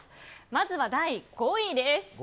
まずは第５位です。